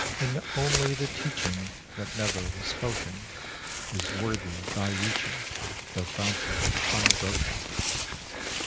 And only the teaching That never was spoken Is worthy thy reaching, The fountain unbroken.